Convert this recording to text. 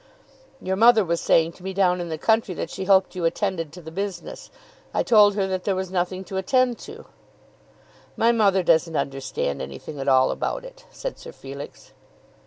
"Your mother was saying to me down in the country that she hoped you attended to the business. I told her that there was nothing to attend to." "My mother doesn't understand anything at all about it," said Sir Felix.